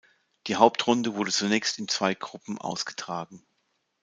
Die Hauptrunde wurde zunächst in zwei Gruppen ausgetragen.